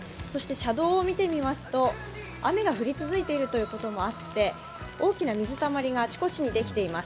車道を見てみますと、雨が降り続いているということもあって大きな水たまりがあちこちにできています。